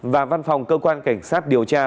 và văn phòng cơ quan cảnh sát điều tra